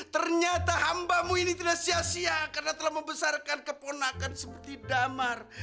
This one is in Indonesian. ternyata hambamu ini tidak sia sia karena telah membesarkan keponakan seperti damar